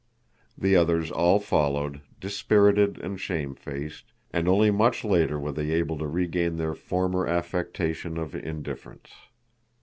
The others all followed, dispirited and shamefaced, and only much later were they able to regain their former affectation of indifference.